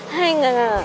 eh enggak enggak